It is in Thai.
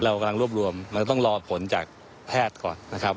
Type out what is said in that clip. เรากำลังรวบรวมเราต้องรอผลจากแพทย์ก่อนนะครับ